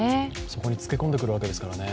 そこにつけこんでくるわけですからね。